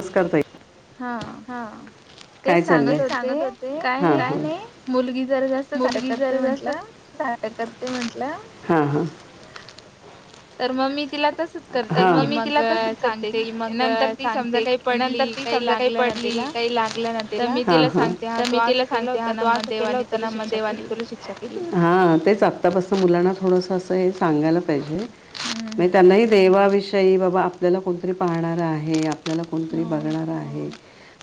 नस् करताय हा काय चाल सांगत होते काय नाही मुलगी जर जास करते म्हंटलं तर मग मी तिला त तर मग ममी तिला तसच करते की मग सांगते नंतर ती समजा काही पडली काही लागलं ना तिला तर मी तिला सांगते हा तू असं केला होत ना मग देवानी करू शिक्षा केली हा तेच आत्तापासत मुलांना थोडस अस हे सांगायला हम्म हम्म विषयी बाबा आपल्याला कोणतरी पाहणार आहे आपला कोणतरी बघणार आहे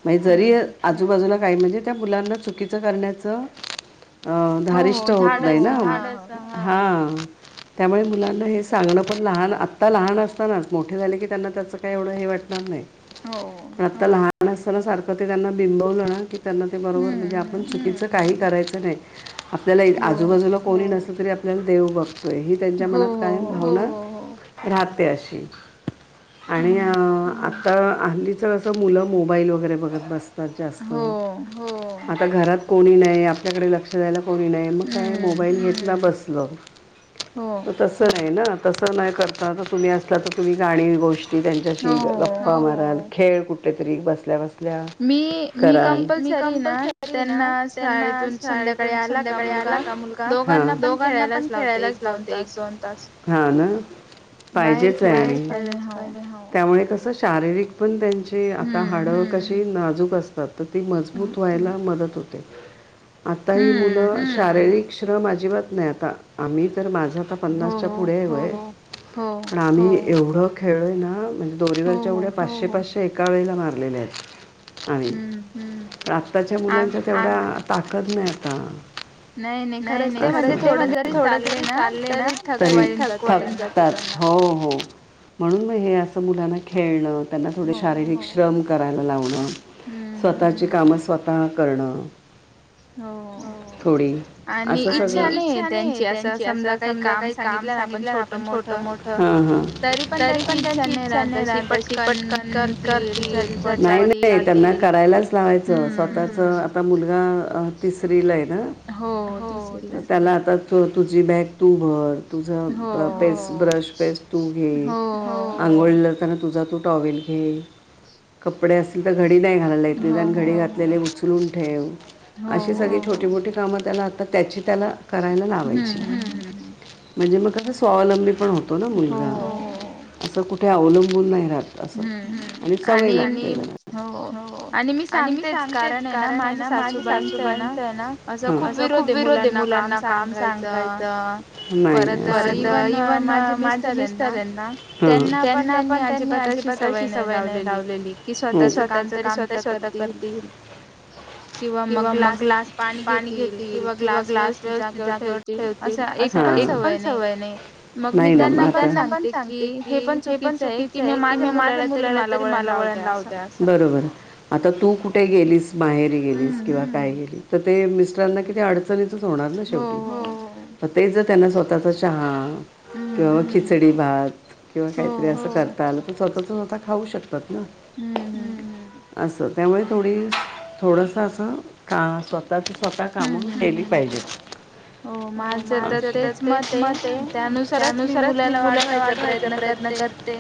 म्ह जरी आजूबाजूला म्हणजे त्या मुलांना चुकीच करण्याच अ धारिष्ट होत नाही ना हा त्यामुळे मुलांना हे सांगणं पण लहान आता लहान असतानाच मोठे झाले की त्यांना त्याचं काही एवढं हे वाटणार नाही पण आता लहान असताना सारखं ते त्यांना बिंबवलं ना त्यांना ते बरोबर म्हणजे आपण चुकीचं काही करायचं नाही आपल्याला आजूबाजूला कोणी नसलं तरी आपल्याला देव बघ ही त्यांच्या मनात कायम भावना राहते अशी आणि अ आता आलीच असं मुलं मोबाईल वगैरे बघत बसत आ घात कोणी नाही आपल्याक लक्षय को नाही म का मोबाईल घेतला बसला तस आहे ना तसं नाही करता आता तुम्ही असला तर तुम्ही गाणी गोष्ट ती त्यांच्याशी गप्पा माराल खेळ कुठेतरी बसल्या बस मी कंपलसरी ना त्यांना शाळेतून संध्याकाळी मुलगा दोघांना पण खेळायलाच लावते एक दोन तास पाहिजेच आहे आणि त्यामुळे कसं शारीरिक पण त्यांची आता हाडं कशी नाजूक असतात तर ती मजबूत व्हायला मदत होते आता ही मुलं शारीरिक श्रम अजिबात नाही आता आम्ही तर माझा आ पन्नासच्या पुढेवय पण आम्ही एवढं खेळलोय ना म्हण दोरीवरच्या उड्या पाचशे पाचशे एका वेळेला मारलेल्या आहेत आणि आत्ताच्या मुलांच्या तेवढ्या ताकद नाही का नाही नाही खरंच ते म्हणजे थोड जरी चालल ना तरीच थकू आप म्हणून म हे अस मुलांना खेळण त्यांना थो शारीरिक श्रम करायला लावणं स्वतःची कामं स्वतः करणं थोडी इच्छा नाही त्यांची असं समजा काही काम सांगितलं ना आपण छोट मोठ तरी पण त्यांची इच्छा नाही राहतशीि पटकन करतील नाही नाही त्यांना करायलाच लावायचं स्वतःच आता मु त त्या आ त तुझी बॅग तू भर तुझं पेस्ट ब्रश पेस् तू घे आंघोळ त घे कप घडी नाही घालायला द्यायची, निदान घडी घातलेले उचलून ठेव. अशी सगळी छोटी मोठीे कामात - - त्याला आता त्याची त्याला करायला लावायची. म्हणजे मग स्वावलंबी पण होतो ना मुलगा असं कुठे अवलं- - बुन नाही राहत अस आणि सवय लागती. हो आणि मी सांगतेच कारण हेना माझी सासूबाईंचं हेना असं- - खूप विरोध है मुलांना काम सांगायचं इव्हन माझे मिस्टर हेना त्यांना पण त्यांनी अजिबात अशी सवय - - नाही लावलेली की स्वतःच काम तर स्वतः करतील. किंवा मग ग्लास पाणी घेतील किंवा ग्लास व्यवस्थित जागेवर ठेव - - असं एक पण सव सवय नाही. नाही ना म आता. मी त्यांना पण सांगते की हे पण चुकीचंय की मी माझ्या मुलाला तरी मला वाळ - - ण लावु द्या असं. आता तू कुठे गेलीस माहेरी गेलीस किंवा काय गेली तर ते मिस्टरांना किती अडचणी - - नीचचं होणार ना शेपटी ते जर स्वतः चहा किंवा म खिचडी भात किंवा काहीतरी असं करताल, त स्वतःच स्वतः खाऊ शक तातना अस त्यामुळे थोडी थोडस अस. का स्वतःची स्वतः कामं केली पाहिजेत. मा तेच मनहे त्यानुसारच मी मुलाला वाढवायचा प्रयत्न करते.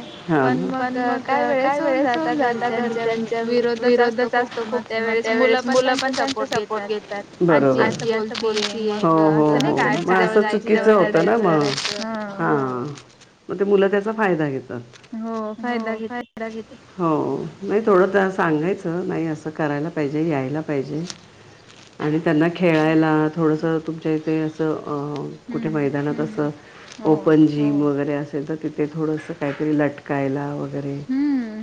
पण मग - - काय वेळेस होऊन जात घर त्यांच्या विरोधच असतो खूप मग, त्यावेेळेस मुलं पण - - त्याचा सपोर्ट घेतात आजी अस बोलतीए असं नाही का? आजीजवळ जायचं, रडायचं हा मग हां, मग ते मुलं त्याचा फायदा घेतात. हो, फायदा घेता - - हो, नाही थोडं त्यांना सांगायचं, नाही असं करायला पाहिजे, यायला पाहिजे. आणि त्यांना खेळायला थोडस तुमच्या इथे - - अ, कुठे मैदानात असं, ओपन जिम व गैरे असेल तर तिथे थोडस काहीतरी लटकायला वगैरे,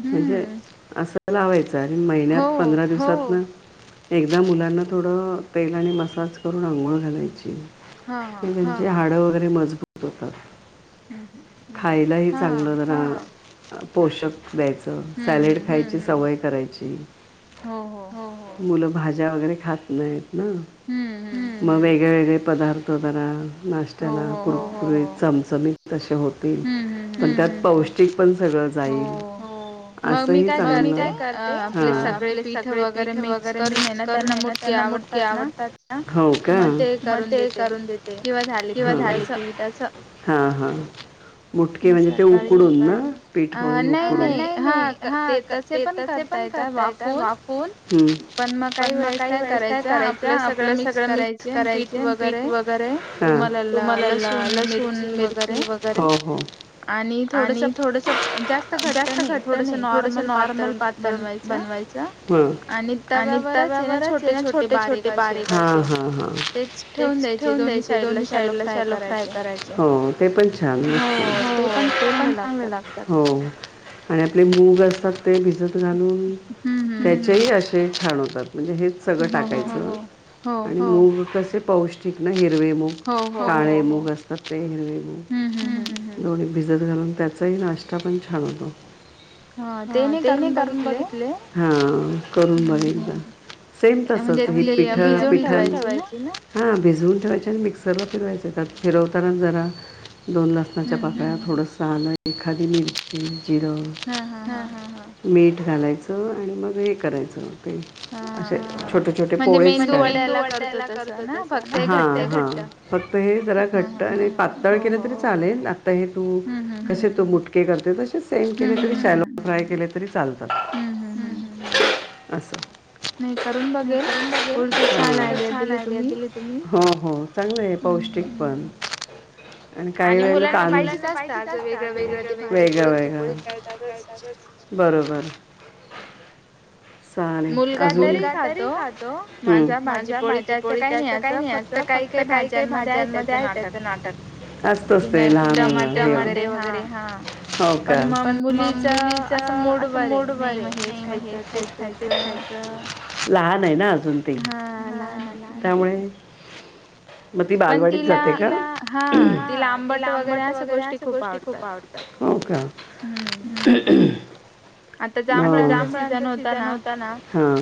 म्हणजे असं लावायचं, आणि महिन्यात पंधरा दिवसातन - - एकदा मुलांना थोडं तेल आणि मसाज करून आंघोळ घालायची. हा, हा. हाडं वगैरे मजबूत होतात, खायलाही चांगलं जरा - - पोषक द्यायचं, सॅलेड खायची सवय करायची. हो, हो. मुलं भाज्या वगैरे खात नाहीत. ना. मग वेगळे वेगळे पदार्थ जरा नाष्टयाला कुरकुरीत चमचमीत असे होतील पण त्यात पौष्ट - - क पण सगळं जाईल असंही चांगलं. मग मी काय करते, आपले सगळे पीठ वगैरे मिक्स करून हेना त्यांना- - मुठके आवडतात ना, हो का? मग ते करून देते. किंवा झाले कि त्याच, हा, हां. मुठके म्हणजे ते उकडून ना पीठ? नाही नाही, हां ते तसे पण करता येतात वाफवून. पण मग काही वेळेस काय करायच आपलं सगळं मिक्स करायचे पीठ वगैरे हां. तुम्हाला लसूण मिरची वगैरे आणि थोडस पात जास्त घट्ट नाही, थोडस नॉर्मल पातळ बनवायच आणि आणि तव्यावरच आहे ना छोटे छोटे बारीक असे तेच ठेवून द्यायचे. ते दोन्ही साईडला शॅलो फ्राय करायचे. हो, ते पण छान, ते पण चांगलं लागत. हो. आणि आपले मूग असतात ते भिजत घालून, त्याचेही असे छान होतात. म्हणजे हेच सगळं टाकायचं, हो, आणि, हो, मुग कसे पौष्टिक ना हे हिरवे मुग, काळे मुग असतात ते हिरवे मुग हम्म हम्म हम्म दोन्ही भिजत घालून त्याचाही नाष्टा पण छान होतो हा ते नाही करून बघितले, हां करून बघ एकदा. सेम तसच म्हणजे पिठ पिठं [unintelligible] हां भिजवून ठेवायचे आणि मिक्सरला फिरवायचं त्यात फिरवताना जरा दोन लसणाच्या पाकळ्या, थोडंस आलं, एखादी मिरची जिरं, हा हा हा मीठ घालायचं आणि मग हे करायचं असे छोटे छोटे पोळेच करायचे. म्हणजे मेंदू वड्याला करतो तस ना, हा फक्त हे जरा घट्ट आणि पातळ केलं तरी चालेल आता हे तू कसे तू मुठ मुटके करतेस तसे सेम केले तरी शॅलो फ्राय केले तरी चालतात. हम्म हम्म हम्म. असं [unintelligible] छान आयडिया दिली तुम्ही. हो हो चांगलं आहे, पौष्टिक पण आणि काही वेळेला. [unintelligible] लहान मुलांना पाहिजेच असत वेगळं वेगळं. वेगळं वेगळं. वेगळ्या वेगळ्या गोष्टी बरोबर. [inaudible] चालेल, अजून. मुलगा तरी खातो. हम्म. माझा भाजीपोळी त्याच काही नाही अस फक्त सकाळी काही भाज्यांमध्ये आहे त्याचं नाटक असतच ते, लहान मुलाचं हे [unintelligible] टमाटे वगैरे. हो का? पण मुलीचा चा असं मूड वर आहे नाही मग हे खायचं हे खायचं, ते खायचं. लहान आहे ना अजून ते. हा लहान आहे. त्यामुळे मग ती बालवाडीत जाते का? हा तिला आंबट वगैरे अश्या गोष्टी खूप आवडतात. हो का. म. जांभळांचा सीजन होता ना, हा.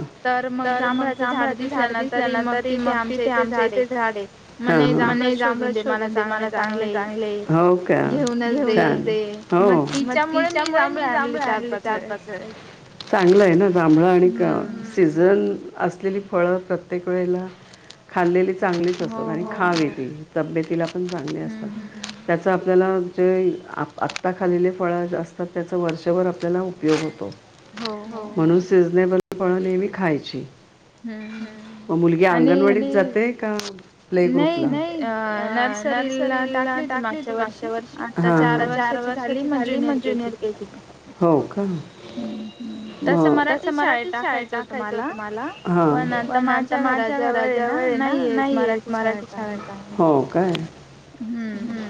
तर मग जांभळाचे झाड दिसले ना तरी मग तिथे आमच्या इथे झाड आहे हा हा. मला हे जांभळात शोधून दे मला चांगले चांगले घेऊन. हो का. घेऊनच दे. छान हो. मग तिच्यामुळे मी जांभळ आणली अस आहे. चांगलं आहे ना जांभळा आणि सीझन. हम्म. असलेली फळं प्रत्येक वेळेला खाल्लेली चांगलीच असतात. आणि खावे ती तब्येतीला पण चांगली असतात त्याचा आपल्याला जे आ आत्ता खालेले फळं असतात त्याचा वर्षभर आपल्याला उपयोग होतो. हो म्हणून सिझनेबल फळ नेहमी खायची हम्म मग मुलगी अंगणवाडीत जाते का प्ले ग्रुप ला? नाही, नर्सरीला टाकली होती मागच्या वर्षी, हा हा आता चार वर्ष वर्षाची झाली मग ज्युनिअर के जीत घातल. हो का. मग, तसं मराठी शाळेत टाकायचं होत मला. हा. पण आता माझ्या घरा जवळ है ना नाहीये मराठी शाळेचा. हो काय? हम्म.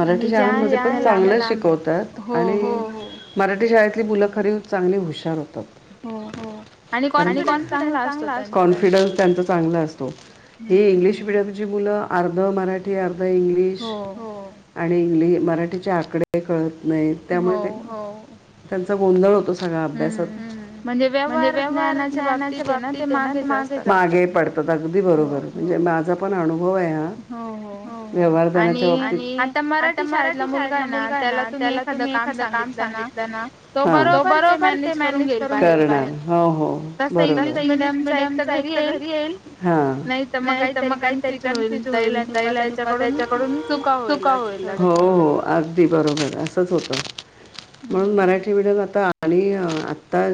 मराठी शाळांमध्ये खूप चांगलं शिकवतात आणि, हो हो मराठी शाळेतली मुलं खरी चांगली हुशार तात. हो आणि कॉन्फिडन चांगला असतो. कॉन्फिडन्स त्यांचा चांगला असतो. ही इंग्लिश मीडियमची मुलं अर्ध मराठी अर्ध इंग्लिश, हो आणि इ्लि मराठीचे आकडे कळत नाहीत त्यामुळे ते, हो. त्यांचा गोंधळ होतो. खरं अभ्यासात म्हणजे व्यवहार ज्ञानाच्या बाबतीत है ना ते मागे पडतात. मागे पडतात अगदी बरोबर मा हो [unintelligible] आहे हा वाचत. ज्ञानाच्या बाबतीत आणि आता मराठी शाळेतला मुलगा आहे ना त्याला तुम्ही एखाद काम सगितलं ना, हा, तो बरोबर ते मॅनेज करून करणार, हो हो. हो बरोबर. तसं इंग्लिश मिडयमच एक घरी येईल, हा, नाही मग काही तरी कन्फ्युज जाल आणि त्याड चु होल अगदी बरोबर असच होत [inaudible] म्हणून मराठी मिीडियम आता आणि आत्ता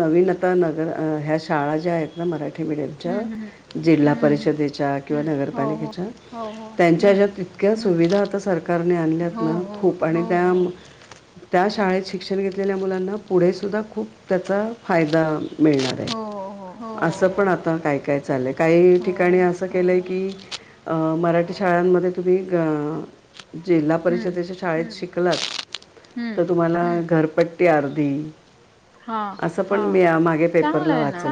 नवीन आता नगर ह्या शाळा ज्या आहेत ना मराठी मिडियमच्या जिल्हा परिषदेच्या किंवा नगरपालिकेच्या त्यांच्या हच्यात तितक्या सुविधा आता सरकार प्रकारने आणल्यात ना थोप आणि त्या त्या शाळेत शिक्षण घेतलेल्या मुलांना पुढे सुद्धा खूप त्याचा फायदा मिळणार आहे असं पण आता काय काय चाललंय काही ठिकाणी असं केलंय की अ मराठी शाळांमध्ये तुम्ही जिल्हा परिषदेच्या शाळेत शिक तर तुम्हाला घरपट्टी अर्धी अस पण मी मागे पेपरला वाच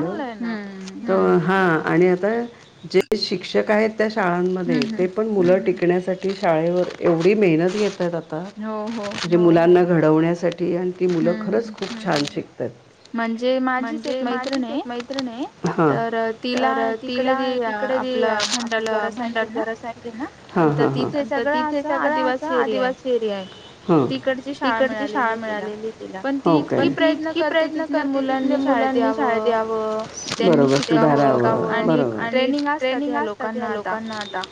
हा आणि आ जे शिक्षक आहेत त्या शाळांमध्ये ते पण मुलं टिक शिकण्यासाठी शाळेवर एवढी मेहनत घेतात आता म्हणजे मुलांना घडवण्यासाठी आणि ती मुलं खरंच खूप छान शिकतात म्हणजे माझीच एक मैत्रिण तर त त तिकडे आप भंडारर असय ना तिथे सगळ आदिवासी एरिया आहे तिकडची शाळा मिळाली प ती इ प्रयत्न करते तिथ मुलांनी शाळेत यावं ठिक आणि ट्रेनिंग असतात या्या लोकांना आता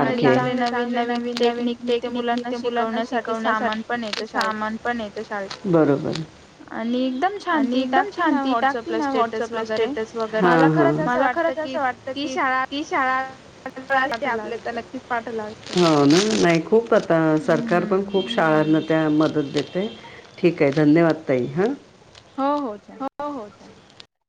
आणि चांगले चांगले नवीन नवीन टेक्निक मुलांना शिकवण्यासाठी सामान पण येत शाळेत बरोबर - आणि एकदम शांती टाकते ना व्हॉट्सअपला स्टेटस वगैरे मला - खरंच असं वाटत की ती शाळा - आप तर नक्च पाठव नाही खूप - ता सरकार पण खूप शाळांना त्या मदत देते ठीक आहे धन्यवाद ताई हां - हो हो चालेल.